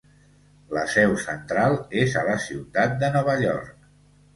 La seu central és a la ciutat de Nova York.